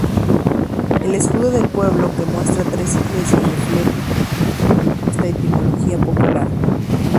El escudo del pueblo, que muestra tres iglesias, refleja fielmente esta etimología popular.